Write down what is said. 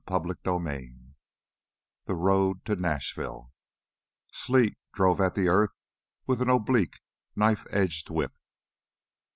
11 The Road to Nashville Sleet drove at the earth with an oblique, knife edged whip.